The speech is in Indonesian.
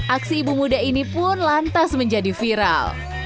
aksi ibu muda ini pun lantas menjadi viral